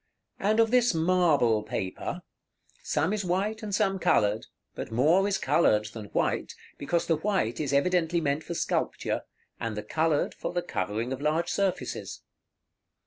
And of this marble paper, some is white and some colored; but more is colored than white, because the white is evidently meant for sculpture, and the colored for the covering of large surfaces.